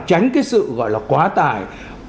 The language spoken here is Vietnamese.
tránh cái sự gọi là quá tải